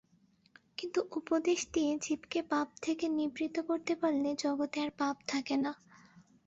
কিন্তু উপদেশ দিয়ে জীবকে পাপ থেকে নিবৃত্ত করতে পারলে জগতে আর পাপ থাকে না।